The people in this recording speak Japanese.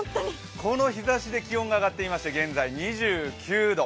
この日ざしで気温が上がっていまして、現在２９度。